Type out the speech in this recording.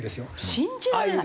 信じられない！